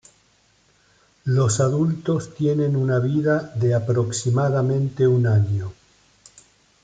Los adultos tienen una vida de aproximadamente un año.